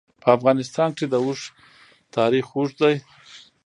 په افغانستان کې د اوښ تاریخ اوږد دی.